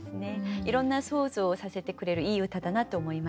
いろんな想像をさせてくれるいい歌だなと思いました。